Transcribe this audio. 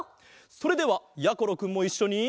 それではやころくんもいっしょに。